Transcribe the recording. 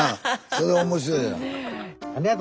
それ面白いやん。